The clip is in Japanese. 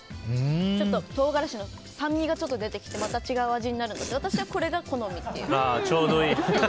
ちょっと唐辛子の酸味がちょっと出てきて違う味になるので私はこれが好みっていう。